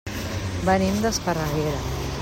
Venim d'Esparreguera.